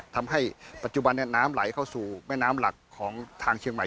ทำให้ปัจจุบันนี้น้ำไหลเข้าสู่แม่น้ำหลักของทางเชียงใหม่